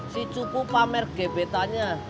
si cupu pamer gebetanya